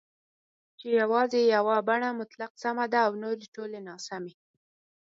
چې یوازې یوه بڼه مطلق سمه ده او نورې ټولې ناسمي